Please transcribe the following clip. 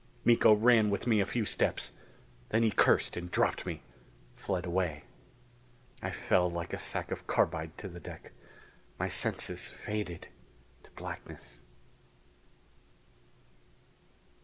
Miko ran with me a few steps. Then he cursed and dropped me; fled away. I fell like a sack of carbide to the deck. My senses faded into blackness....